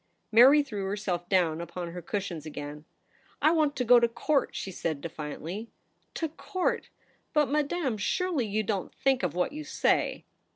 Mary threw herself down upon her cushions again. ' I want to go to Court !' she said de fiantly. * To Court ! But, Madame, surely you don't think of what you say